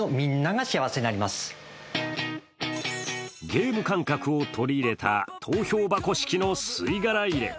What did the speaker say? ゲーム感覚を取り入れた投票箱式の吸い殻入れ。